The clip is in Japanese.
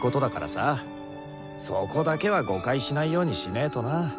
そこだけは誤解しないようにしねとな。